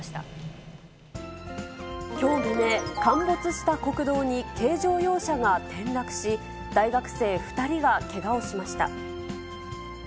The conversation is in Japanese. きょう未明、陥没した国道に軽乗用車が転落し、大学生２人がけがをしました。